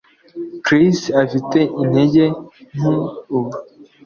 Chris afite intege nke ubu